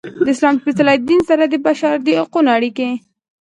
د اسلام سپیڅلي دین سره د بشر د حقونو اړیکې.